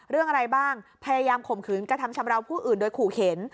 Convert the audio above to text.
เรื่องอะไรบ้างพยายามข่มขืนกระทำชำราวผู้อื่นโดยขู่เข็น